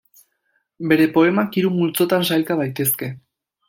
Bere poemak hiru multzotan sailka daitezke.